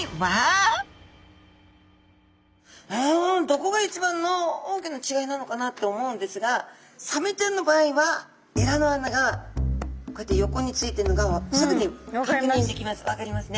どこが一番の大きな違いなのかなって思うんですがサメちゃんの場合はエラの穴がこうやって横についているのがすぐにかくにんできます。